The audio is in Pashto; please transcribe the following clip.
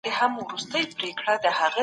ډیپلوماټان ولي د ماشومانو حقونه پلي کوي؟